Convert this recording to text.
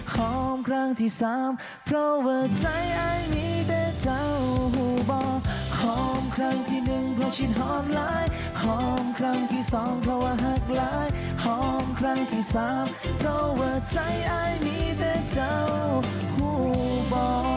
หอมครั้งที่สามเพราะว่าใจอายมีแต่เจ้าหูบอ